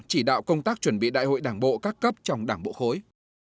chỉ đạo công tác chuẩn bị đại hội đảng bộ các cấp trong đảng bộ khối